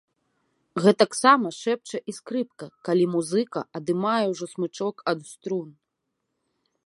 Гэтаксама шэпча і скрыпка, калі музыка адымае ўжо смычок ад струн.